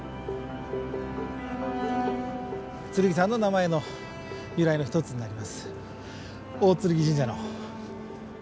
剣山の名前の由来の一つになります。